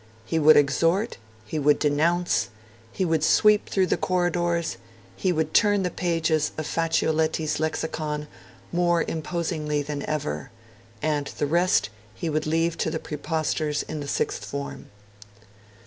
He would exhort, he would denounce, he would sweep through the corridors, he would turn the pages of Facciolati's Lexicon more imposingly than ever; and the rest he would leave to the Praepostors in the Sixth Form.